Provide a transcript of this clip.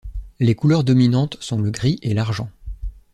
Les couleurs dominantes sont le gris et l'argent.